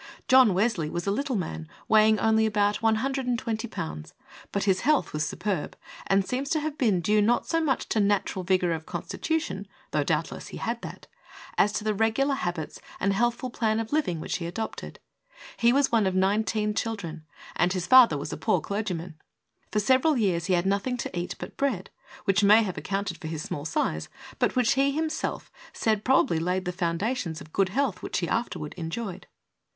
HEALTH. 69 John Wesley was a little man, weighing only about 120 pounds, but his health was superb, and seems to have been due not so much to natural vigor of constitution, though, doubtless he had that, as to the regular habits and healthful plan of living which he adopted. He was one of nineteen children, and his father was a poor clergy man. For several years he had nothing to eat but bread, which may have accounted for his small size, but which he himself said probably laid the foundations of good health which he afterward enjoyed.